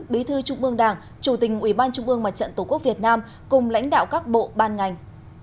bí thư trung ương đảng chủ tình ủy ban trung ương mặt trận tổ quốc việt nam cùng lãnh đạo các bộ ban ngành